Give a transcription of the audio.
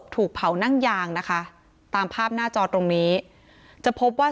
ตอนนั้นก็สัดภัษณะเรียกว่า